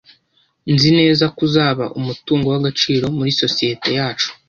Nzi neza ko uzaba umutungo w'agaciro muri sosiyete yacu